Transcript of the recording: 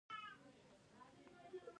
ایا د وینې لوړ فشار لرئ؟